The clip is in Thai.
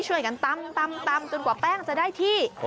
ช่วยกันตำจนกว่าแป้งจะได้ที่